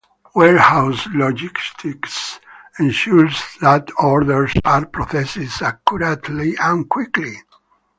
Warehouse logistics ensures that orders are processed accurately and quickly.